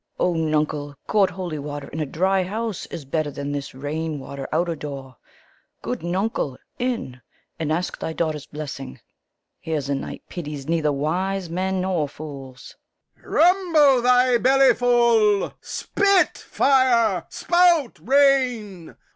Fool. O nuncle, court holy water in a dry house is better than this rain water out o' door. Good nuncle, in, and ask thy daughters blessing! Here's a night pities nether wise men nor fools. Lear. Rumble thy bellyful! Spit, fire! spout, rain!